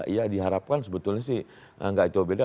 ya diharapkan sebetulnya sih nggak jauh beda